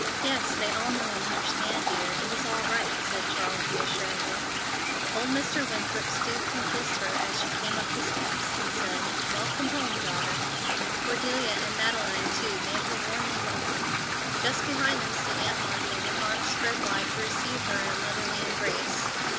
"Yes, they all know and understand, dear. It is all right," said Charles reassuringly. Old Mr. Winthrop stooped and kissed her as she came up the steps, and said, "Welcome home, daughter!" Cordelia and Madeleine, too, made her warmly welcome. Just behind them stood Aunt Martha, with arms spread wide to receive her in a motherly embrace.